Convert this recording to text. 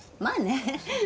まあね。